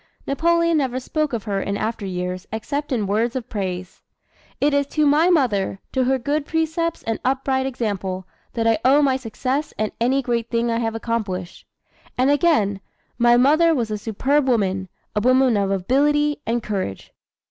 Napoleon never spoke of her in after years, except in words of praise. "It is to my mother, to her good precepts and upright example, that I owe my success and any great thing I have accomplished." And again: "My mother was a superb woman, a woman of ability and courage."